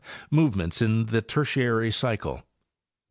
Movements in the Tertiary Cycle.